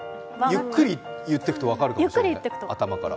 ゆっくり言っていくと分かるかも、頭から。